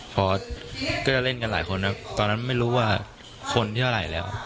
พอก็จะเล่นกันหลายคนตอนนั้นไม่รู้ว่าคนที่เท่าไหร่แล้ว